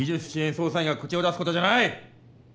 捜査員が口を出すことじゃない！